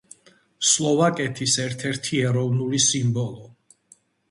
სლოვაკეთის ერთ-ერთი ეროვნული სიმბოლო.